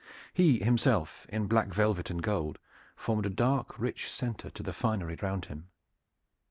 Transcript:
He himself, in black velvet and gold, formed a dark rich center to the finery around him.